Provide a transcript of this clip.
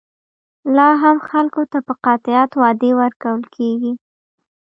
لا هم خلکو ته په قاطعیت وعدې ورکول کېږي.